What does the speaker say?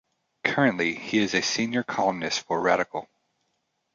Currently, he is a senior columnist for "Radikal".